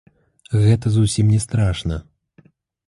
Гэта зусім не страшна!